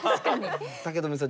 武富さん